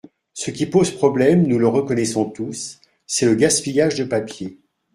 Ce qui pose problème, nous le reconnaissons tous, c’est le gaspillage de papier.